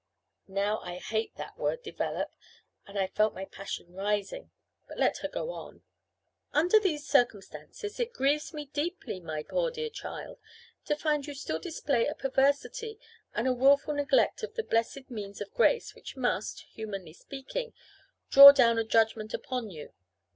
Now I hate that word "develop;" and I felt my passion rising, but let her go on: "Under these circumstances, it grieves me deeply, my poor dear child, to find you still display a perversity, and a wilful neglect of the blessed means of grace, which must (humanly speaking) draw down a judgment upon you.